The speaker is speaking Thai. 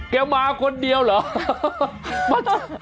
กระเม้วมาคนเดียวเหรอ